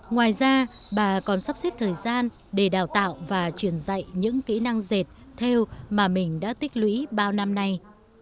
ngoài ra bà còn sắp xếp thời gian để đào tạo và truyền dạy những kỹ năng dệt theo mà mình đã tích lũy bao năm nay